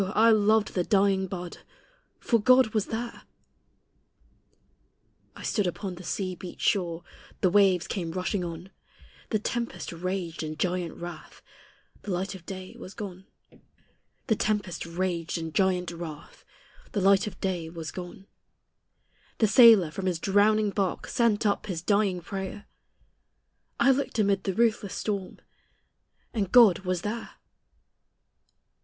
I loved the dying bud, For God was there! I stood upon the sea beat shore, The waves came rushing on; The tempest raged in giant wrath, The light of day was gone. The sailor from his drowning bark Sent up his dying prayer; I looked amid the ruthless storm, And God was there!